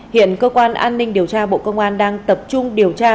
hiện cơ quan an ninh điều tra bộ công an đang tập trung điều tra